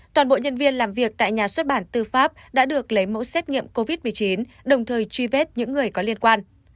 toàn bộ nhân viên làm việc tại nhà xuất bản tư pháp đã được lấy mẫu xét nghiệm covid một mươi chín đồng thời truy vết những người có liên quan